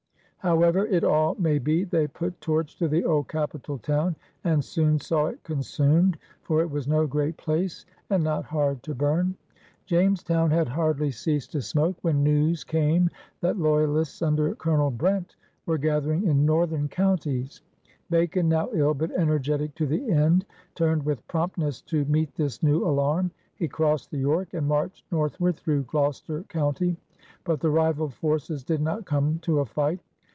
However it all may be, they put torch to the old capital town and soon saw it consumed, for it was no great place, and not hard to bum. Jamestown had hardly ceased to smoke when news came that loyalists imder Colonel Brent were gathering in northem coimties. Bacon, now ill but energetic to the end, turned with promptness to meet this new alarm. He crossed the York and marched northward through Gloucester County. But the rival forces did not come to a fight.